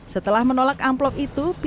setelah menolak amplop itu